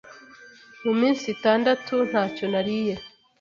Mu minsi itandatu ntacyo nariye.